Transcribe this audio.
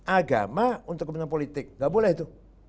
agama untuk kepentingan politik nggak boleh itu